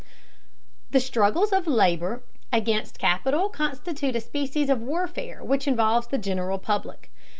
The struggles of labor against capital constitute a species of warfare which involves the general public.